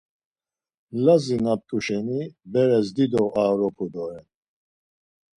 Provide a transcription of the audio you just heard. Lazi na t̆u şeni beres dido aoropu doren.